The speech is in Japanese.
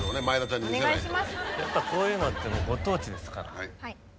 やっぱこういうのってご当地ですから。